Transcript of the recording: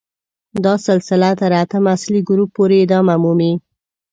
دا سلسله تر اتم اصلي ګروپ پورې ادامه مومي.